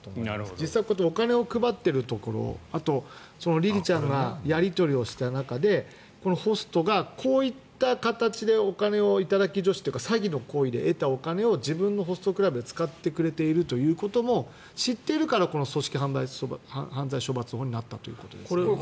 実際、お金を配っているところあと、りりちゃんがやり取りをした中でホストがこういった形でお金を頂き女子って詐欺の行為で得たお金を自分のホストクラブで使ってくれていることも知っているからこの組織犯罪処罰法違反になったということですね。